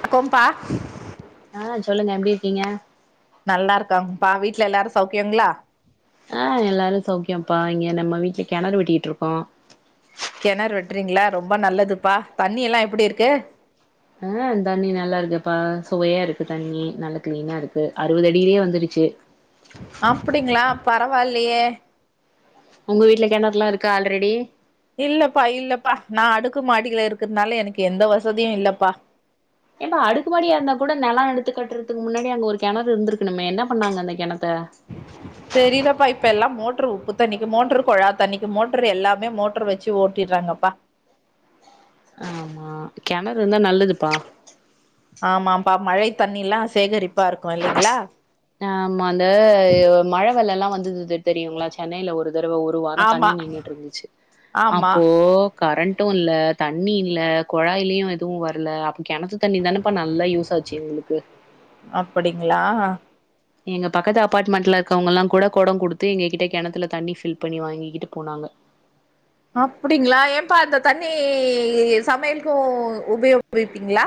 பாப்போம்பா அ சொல்லுங்க எப்டி இருக்கீங்க நல்லா இருக்கங்பா வீட்டுல எல்லாரு சௌக்கியங்களா ஆ எல்லாரு சௌக்கியம்பபா இங்க நம்ம வீட்டுல கெணறு வெட்டிக்கிட்டு இருக்கோ கெணறு வெட்றீங்களா ரொம்ப நல்லதுப்பா தண்ணி எல்லா எப்டி இருக்கு அ தண்ணி நல்லா இருக்குப்பா சுவையா இருக்கு தண்ணி நல்லா கிளீனா இருக்கு அறுவது அடியிலேயே வந்துரு ச்சி பரவாயில்லயே உங்க வீட்டுல கெணறெல்லா இருக்கா ஆல்ரெடி இல்லப்பா இல்லப்பா நா அடுக்கு மாடில இருக்கறதுனால எனக்கு எந்த வசதியு இல்லப்பா ஏப்ப அடுக்கு மாடியா இருந்தா கூட நெலோ எடுத்து கட்டுறதுக்கு முன்னாடி அங்க ஒரு கெணறு இருந்திருக்கணுமே என்ன பண்ணாங்க அந்த கெணத்த த்த தெரிலப்பா இப்ப எல்லா மோட்டரு உப்பு தண்ணிக்கு மோட்டரு கொழா தண்ணிக்கு மோட்டரு எல்லாமே மோட்டரு வச்சு ஓட்டி றாங்கப்பா ஆமா கெணறு இருந்தா நல்லதுப்பா ஆமாப்பா மழை தண்ணில்லா சேகரிப்பா இருக்கு இல்லிங்களா ஆமா இந்த மழை வெள்ளோல்லா வந்து இருந்து தெரியுங்களா சென்னையில ஒரு தடவ ஒரு வாரோ ஆமா தண்ணி நின்னுட்டு இருந்துச்சி ஆமா அப்போ கரண்ட் டு இல்ல தண்ணி இல்ல கொழாயிலு எதுவு வரல அப்ப கெணத்து தண்ணி தானேப்ப நல்லா யூஸ் ஆச்சு க்கு அப்டிங்களா எங்க பக்கத்து அப்பார்ட்மெண்ட்ல இருக்கவங்கல்லா கூட கொடோ குடுத்து எங்ககிட்ட கெணத்துல தண்ணி ஃபில் பண்ணி வாங்கிக்கிட்டு போனாங்க க அப்டிங்களா ஏம்ப்பா அது தண்ணி சமயலுக்கு உபயோகிப்பீங்களா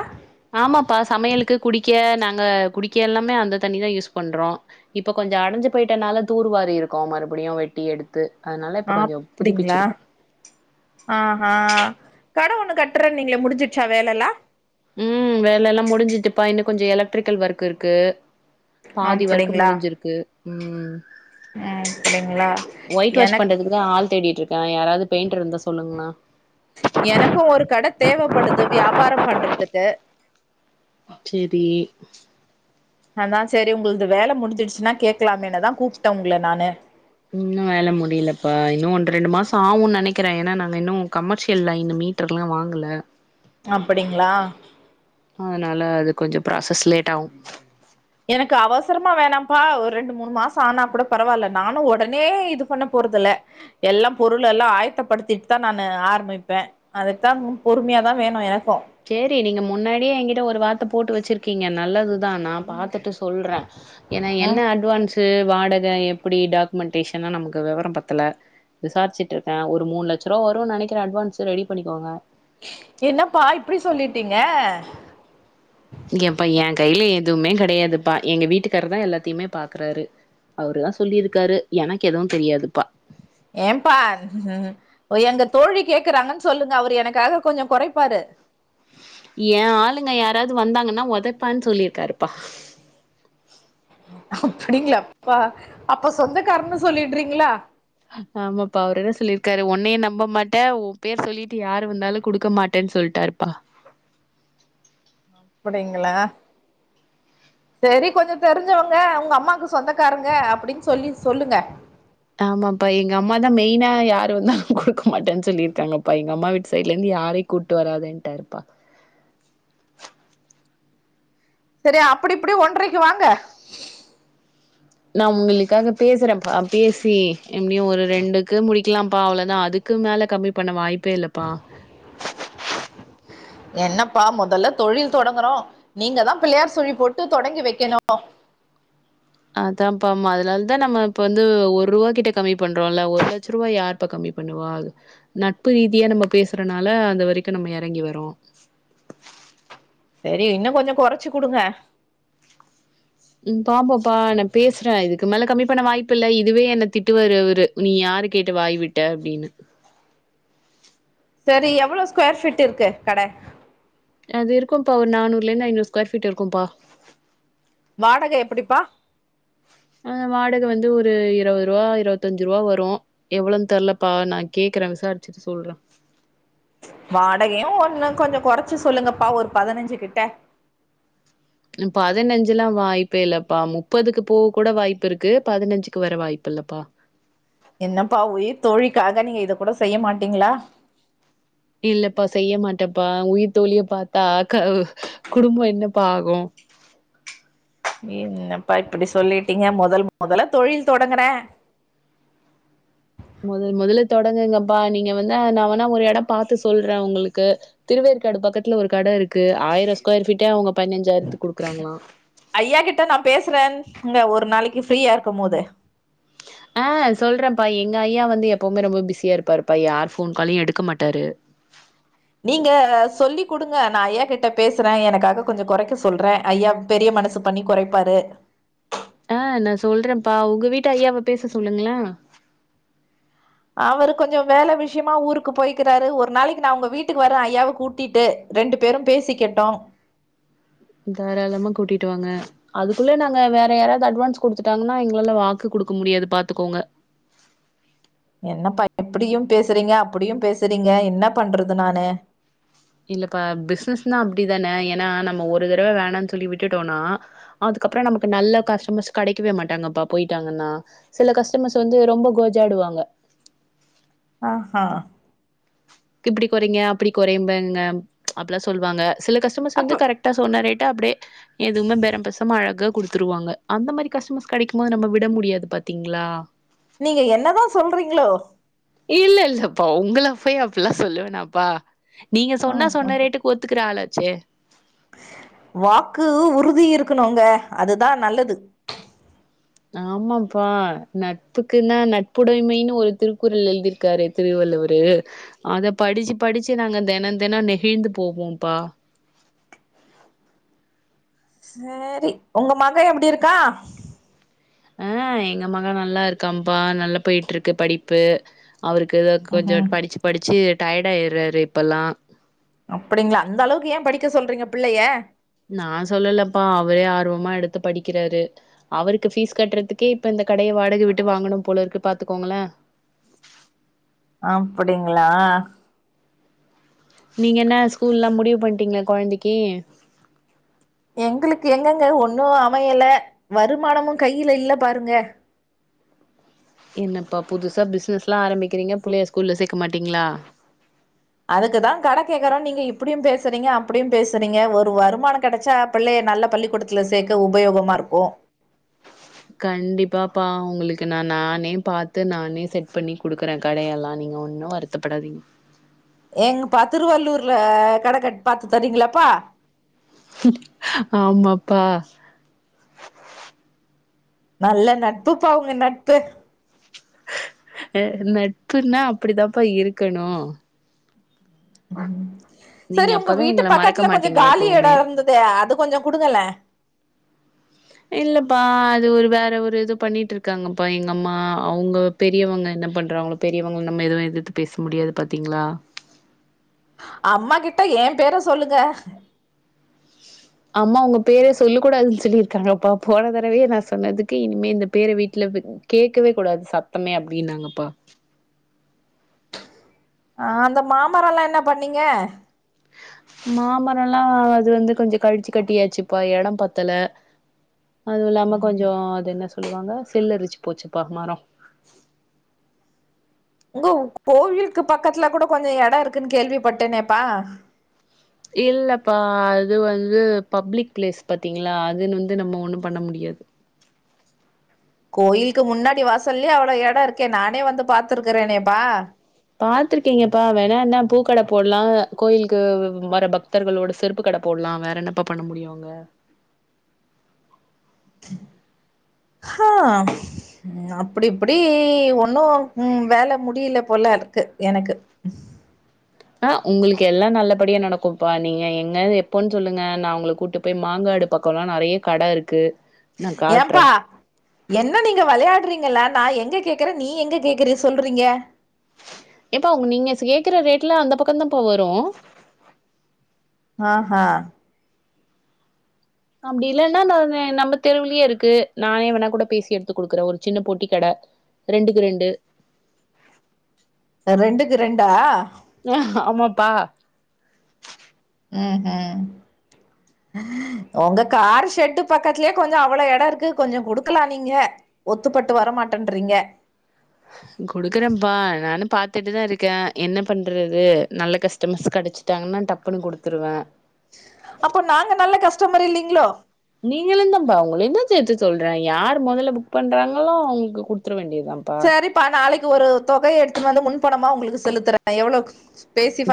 ஆமாப்பா சமயலுக்கு குடிக்க நாங்க குடிக்க எல்லாமே அந்த தண்ணிதா யூஸ் பண்றோ இப்ப கொஞ் கொஞ்சோ அடஞ்சு போயிட்டனால தூர்வாரி இருக்கோ மறுபடியு வெட்டி எடுத்து அதனால இப்ப கொஞ்சம் அப்டிங்களா புதுப்பிச்சிருக்கோம். ஆஹா கட ஒண்ணு கட்டுறேன்னிங்களே முடிஞ்சிச்சா வேலலா ம் வேலல்லா முடிஞ்சிட்டுப்பா இன்னு கொஞ்சோ எலக்ட்ரிக்கல் ஒர்க் இருக்கு பாதி ஒர்க்கு அப்டிங்களா முடிஞ்சிருக்கு ம் அப்டிங்களா ஒயிட் வாஷ் எனக் பண்றதுக்கு தா ஆள் தேடிட்டு இருக் அது பெயிண்டர் இருந்தா சொல்லுங்கள எனக்கும் ஒரு கட தேவைப்படுது வியாபாரம் பண்றதுக்கு சேரி அதா சேரி உங்களுது வேல முடிஞ்சிடுச்சுன்னா கேட்கலாமேனுதா கூப்ட்டே உங்கள நானு இன்னு வேல முடியலப்பா இன்னு ஒன்னு ரெண்டு மாசம் ஆவும்ன்னு நெனக்கிறே ஏன்னா நாங்க இன்னு கமர்ஷியல் லையனு மீட்டர்ல்லா வாங்கல அப்டிங்களா அதனால அது கொஞ்ச ப்ராசஸ் லேட் ஆவு எனக்கு அவசரமா வேணாம்ப்பா ஒரு ரெண்டு மூணு மாசம் ஆனா கூட பரவால்ல நானு ஒடனே இது பண்ண போ றதில்ல எல்லா பொருள் எல்லா ஆயத்தப்படுத்திட்டு தா நானு ஆரம்மிப்பே அதுக்குதா பொறுமையா கதா வேணு எனக்கு சேரி நீங்க முன்னாடியே எங்கிட்ட ஒரு வார்த்த போட்டு வச்சிருக்கீங்க நல்லதுதா நா பாத்துட்டு சொல்ற ஏன்னா ம் என்ன அட்வான்ஸ் அது வாடக எப்டி டாக்குமெண்டேஷன்னா நமக்கு வெவரம் பத்தல விசாரிச்சிட்டு இருக்க ஒரு மூணு லட்சரூவா வரும்ன்னு நெனைக்கிற அட்வான்ஸ்சு ரெடி பண்ணிக்கோங்க என்னப்பா இப்டி சொல்லிட்டீங்க ஏம்ப்பா எ கையில எதுமே கெடையாதுப்பா எங்க வீட்டுக்கார் தா எல்லாத்தையுமே பாக்குறாரு அவருதா சொல்லிருக்காரு எனக்கு எதுவு தெரியாதுப்பா ஏம்ப்பா, எங்க தோழி கேக்குறாங்கன்னு சொல்லுங்க அவரு எனக்காக கொஞ்ச கொறைப்பாரு ஏ ஆளுங்க யாராவது வந்தாங்கன்னா ஒதப்பன்னு சொல்லிருக்காருப்பா [inaudible] அப்டிங்ளாப்பா அப்ப சொந்தக்காரன்னு சொல்லிட்றீங்களா ஆமப்பா அவரு என்ன சொல்லிருக்காரு ஒன்னயு நம்ப மாட்டே ஓ பேரு சொல்லிட்டு யாரு வந்தாலு குடுக்க மாட்டேன்னு சொல்ட்டாருப்பா அப்டிங்களா செரி கொஞ்சோ தெரிஞ்சவங்க உங்க அம்மாக்கு சொந்தக்காரங்க அப்டின்னு சொல்லி சொல்லுங்க ஆமாப்பா எங்க அம்மா தா மெயினா யாரு வந்தாலு குடுக்க மாட்டேன்னு சொல்லிருக்காங்கப்பா எங்க அம்மா வீட்டு சைடுல இருந்து யாரையு கூட்டு வராதன்ட்டாருப்பா [inaudible] செரி அப்டி இப்டி ஒன்ட்றரைக்கு வாங்க நா உங்களுக்காக பேசுறப்பா பேசி எப்டியு ஒரு ரெண்டுக்கு முடிக்லாம்ப்பா அவ்வளதா அதுக் க்கு மேல கம்மி பண்ண வாய்ப்பே இல்லப்பா [inaudible] என்னப்பா மொதல்ல தொழில் தொடங்குறோ நீங்க தா பிள்ளையார் சுழி போட்டு தொடங்கி வைக்கணு [inaudible] அதாப்பா அதனாலதா நம்ம இப்ப வந்து ஒரு ரூவா கிட்ட கம்மி பண்றோம்ல்ல ஒரு லட்சரூவா யாருப்பா கம்மி பண்ணுவா வா நட்பு ரீதியா நம்ம பேசுறனால அது வரைக்கு நம்ம எறங்கி வறோ செரி இன்னு கொஞ்ச கொறச்சு குடுங்க ம் பாப்போம்ப்பா நா பேசுறே இதுக்கு மேல கம்மி பண்ண வாய்ப்பு இல்ல இதுவே என்ன திட்டுவாரு அவுரு நீயா யார கேட்டு வாய விட்ட அப்டின்னு [inaudible] செரி எவ்ளோ ஸ்கொயர் ஃபீட் இருக்கு கட அது இருக்கும்ப்பா ஒரு நானூறுல இருந்து ஐநூறு ஸ்கொயர் ஃபீட் இருக்கும்பா வாடகை எப்பிடிப்பா அ வாடகை வந்து ஒரு இருவது ரூவா இருவத்தஞ்சு ரூவா வரு எவ்ளோன்னு தெரலப்பா நா கேக்குறே விசாரிச்சு சொல்றே வாடகையு ஒன்னு கொஞ்சோ கொறைச்சு சொல்லுங்கப்பா ஒரு பதினஞ்சு கிட்ட பதனெஞ்சுல்லா வாய்ப்பே இல்லப்பா முப்பதுக்கு போக கூட வாய்ப்புருக்கு பதனெஞ்சுக்கு வர வாய்ப்பு இல்லப்பா என்னப்பா உயிர் தோழிக்காக நீங்க இத கூட செய்ய மாட்டீங்களா இல்லப்பா செய்ய மாட்டப்பா உயிர் தோழிய பாத்தாகா குடும்ப என்னப்பா ஆகு என்னப்பா இப்டி சொல்லிட்டீங்க மொதல் மொதல்ல தொழில் தொடங்குறே மொதல் மொதல்ல தொடங்குங்கப்பா நீங்க வந்து நா வேனா ஒரு எட பாத்து சொல்றே உங்களுக்கு திருவே க்காடு பக்கத்துல ஒரு கடை இருக்கு ஆயிரம் ஸ்கொயர் ஃப்பீட்டே அவங்க குடுக்குறாங்களாம். ஐயா கிட்ட நா பேசுறேன் இங்க ஒரு நாளைக்கு ஃப்ரீயா இருக்கும் போது ஆஹ் சொல்றேன்ப்பா எங்க ஐயா வந்து எப்பவுமே ரொம்ப பிஸியா இருப்பாருப்பா யார் போன் காலையு எடுக்க மாட்டாரு நீங்க சொல்லி குடுங்க ந ஐயா கிட்ட பேசுறே எனக்காக கொஞ்சோ கொறைக்க சொல்றே ஐயா பெரிய மனசு பண்ணி கொறைப்பாரு ஆ நா சொல்றேன்ப்பா உங்க வீட்டு ஐயாவ பேச சொல்லுங்களே அவரு கொஞ்சோ வேலை விஷயமா ஊருக்கு போய்க்கிறாரு ஒரு நாளைக்கு நா உங்க வீட்டுக்கு வரே ஐயாவை கூட்டிட்டு ரெண்டு பேரும் பேசிக்கிட்டோ தாராளமா கூட்டிட்டு வாங்க அதுக்குள்ள நாங்க வேற யாராவது அட்வான்ஸ் குடுத்துட்டாங்கன்னா எங்களால வாக்குக் குடுக்க முடியாது பாத்துக்கோங்க என்னப்பா எப்படியு பேசுறீங்க அப்படியு பேசுறீங்க என்ன பண்றது நானு இல்லப்பா பிசினஸ்னா அப்படித்தானே ஏன்னா நம்ம ஒரு தடவை வேணாம்னு சொல்லி விட்டுட்டோனா அது அதுப்புறோ நமக்கு நல்ல கஸ்டமர்ஸ் கெடைக்கவே மாட்டாங்கப்பா போயிட்டாங்கன்னா சில கஸ்டமர்ஸ் வந்து ரொம்ப கோஜாடு வாங்க ஆஹா இப்படி குறைங்க அப்படி கொறைபங்க அப்பல்லா சொல்லுவாங்க சில கஸ்டமர்ஸ் வந்து அப்ப கரெக்டா சொன்ன ரேட் விட்டா அப்டியே எதுவுமே பெரம் பேசாம அழகா குடுத்துருவாங்க அந்த மாரி கஸ்டமர்ஸ் கெடைக்கும் போது நம்ம விட முடியாது பாத்தீங்களா நீங்க என்னதா சொல்றீங்களோ இல்ல இல்லப்பா உங்கள போய் அப்புல்லா சொல்லுவனாப்பா நீங்க சொன்னா ஆஹா சொன்ன ரேட்டுக்கு ஒத்துக்குற ஆளாச்சே வாக்கு உறுதி இருக்கணுங்க அதுதா நல்லது ஆமாப்பா நட்புக்குன்னா நட்புடைமைன்னு ஒரு திருக்குறள் எழுதியிருக்காரு திருவள்ளுவ ஒரு அத படிச்சு படிச்சு நாங்க தெனோ தெனோ நெகிழ்ந்து போவோம்பா சேரி உங்க மக எப்டி இருக்கா அ எங்க மக நல்லா இருக்காம்பா நல்லா போயிட்ருக்கு படிப்பு அவருக்கு ஏதோ கொஞ்சோ ம் படிச்சு படிச்சு டயர்ட்டாயிறாரு இப்ப எல்லா அப்படிங்களா அந்த அளவுக்கு ஏ படிக்க சொல்றீங்க பிள்ளைய நா சொல்லலப்பா அவரே ஆர்வமா எடுத்து படிக்கிறாரு அவருக்கு பீஸ் கட்றதுக்கே இப்ப இந் த கடைய வாடக விட்டு வாங்கணு போல இருக்கு பாத்துக்கோங்களே அப்படிங்களா நீங்க என்ன ஸ்கூல்ல்லா முடிவு பண்ணிட்டீங்களா கொழந்தைக்கி எங்களுக்கு எங்கங்க ஒண்ணு அமையல வருமானமு கையில இல்ல பாருங்க என்னப்பா புதுசா பிசினஸ் எல்லா ஆரம்பிக்கிறீங்க பிள்ளைய ஸ்கூல்ல சேர்க்க மாட்டீங்களா அதுக்குதா கடை கேட்க்றோ நீங்க இப்படியு பேசுறீங்க அப்படியு பேசுறீங்க ஒரு வருமான கடைச்சா பிள்ளைய நல்ல பள்ளிக்கூடத்தில சேர்க்க உபயோகமா இருக்கு கண்டிப்பாப்பா உங்களுக்கு நான் நானே பாத்து நானே செட் பண்ணி குடுக்குறே கடையெல்லா நீங்க ஒன்னு வருத்தப்படாதீங்க எங்ப்பா திருவள்ளூர்ல கட க்க பாத்து தரீங்களாப்பா ஆமாப்பா நல்ல நட்பு பா உங்க நட்பு அ நட்புன்னா அப்படிதாப்பா இருக்கணு ம் நீங்க சரி உங்க அப்பதா வீட்டு எங்கள மறக்க பக்கத்துல கொஞ்ச மாட்டீங்க காலி எட எப்பவுமே இருந்ததே அது கொஞ்ச குடுங்கலே இல்ல ப்பா அது ஒரு வேற ஒரு இது பண்ணிட்டு இருக்காங்கப்பா எங்க அம்மா அவங்க பெரியவங்க என்ன பண்றாங்களோ ரியவங்க நம்ம எதுவு எதிர்த்து பேச முடியாது பாத்தீங்ளா அம்மா கிட்ட எ பேர சொல்லுங்க அம்மா உங்க பேரே சொல்ல கூடாதுன்னு சொல்லிருக்காங்கப்பா போன தடவ நா சொன்னதுக்கு இனிமே இந்த பேர வீட்ல கேட்கவே கூடாது சத்தமே அப்டின்னாங்கப்பா அ அந்த மாமரல்லா என்ன பண்ணீங்க மாமரல்லா அது வந்து கொஞ்ச கழிச்சு கட்டியாச்சுப்பா எடம் பத்தல அதுவுல்லாம கொஞ்ச அது என்ன சொல்லுவாங்க செல்லரிச்சு போச்சுப்பா மரோ உங்க கோவிலுக்கு பக்கத்துல கூட கொஞ்ச எட இருக்குன்னு கேள்விப்பட்டேனேப்பா இல்லப்பா அது வந்து பப்ளிக் பிளேஸ் பத்தீங்களா அதுன்னு வந்து நம்ம ஒண்ணு பண்ண முடியா து கோயிலுக்கு முன்னாடி வாசல்லேயே அவ்ளோ எட இருக்கே நானே வந்து பாத்துருக்கறேனேப்பா பாத்திருக்கீங்கப்பா வேணா என்னா பூக்கட போட்லா கோயிலுக்கு வர பக்தர்களோட செருப்பு கட போ ட்லா வேற என்னப்பா பண்ண முடியு அங்க ஆ ம் அப்படிப்படி ஒன்னு ம் வேல முடியல போல இருக்கு எனக்கு உ [inaudible] ஆ உங்களுக்கு எல்லா நல்லபடியா நடக்குப்பா நீங்க எங்க எப்போன்னு சொல்லுங்க நா உங்கள கூட்டு போய் மாங்கா டு பக்கோல்லா நறைய கட இருக்கு நான் ஏப்பா காட்டுறேன். என்ன நீங்க விளையாட்றீங்களா நா எங்க ங்க கேக்குற நீ எங்க கேக்குற சொல்றீங்க ஏப்பா உங்க நீங்க கேக்குற ரேட்ல அந்த பக்க தாப்பா வரு ஆ ஹ அப்டி இல்லன்னா நானு நம்ம தெருவிலயே இருக்கு நானே வேணா கூட பேசி எடுத்து குடுக்குறே ஒரு சின்ன பொட்டி கட ரெண்டுக்கு ரெண்டு ரெண்டுக்கு ரெண்டா ஆ ஆமாப்பா ம் ம் உங்க கார் ஷெட்டு பக்கத்தலயே கொஞ்ச அவ்ளோ எட இருக்கு கொஞ்ச கொடுக்கலா நீங்க ஒத்துப்பட்டு வர மாட்டேன்றீங்க குடுக்குறேன்ப்பா நானும் பாத்துட்டுதா இருக்கே என்ன பண்றது நல்ல கஸ்டமர்ஸ் க டைச்சிட்டாங்கனா டப்புனு குடுத்துருவே அப்போ நாங்க நல்ல கஸ்டமர் இல்லீங்களோ நீங்களு தான்ப்பா உங்களையுந்தா சேத்து சொல்றே யாரு மொதல்ல புக் பண்றாங்களோ அவுங்களுக்கு குடுத்துட வேண்டியது செரிப்பா நாளைக்கு ஒரு தொகையை எடுத்துனு வந்து முன்பணமா உங்களுக்கு செலுத்துறே எவ்ளோக்கு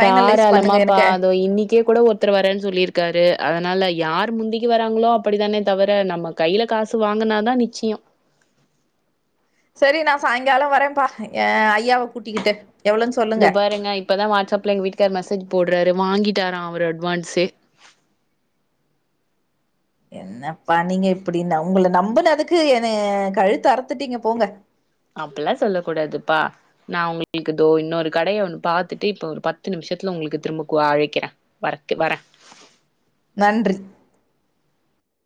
தாராளமா பா தோ இன்னைக்கே கூட ஒருத்தர் வரேனு சொல்லியிருக்காரு அதுனால யார் முந்திக்கு வராங்களோ அப்டித்தானே தவர நம்ம கைல காசு வாங்கனாதா நிச்சயோ செரி நா சாயங்காலோ வரேப்பா ஏ ஐயாவை கூட்டிக்கிட்டு எவ்ளோன்னு சொல்லுங்க. இதோபாருங்க இப்பதா வாட்ஸ்அப் இப்லே எங்க வீட்டுகாரு மெசேஜ் போடுறாரு வாங்கிட்டாரா அவரு அட்வான்ஸ்சே என் என்னப்பா நீங்க இப்டி உங்கள நம்புனதுக்கு எனைய கழுத்து அறுத்துட்டீங்க போங்க அப்பல்லா சொல்ல கூடாதுப்பா நா உங்களுக்கு தோ இன்னொரு கடைய ஒன்னு பாத்துட்டு இப்போ ஒரு பத்து நிமிஷ் ஷத்துல உங்களுக்கு திரும்ப கூவ அழைக்கிறே வரக்கு வரே நன்றி